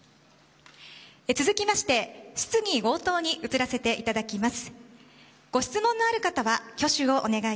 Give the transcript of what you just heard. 続きまして質疑応答に移らせていただきます。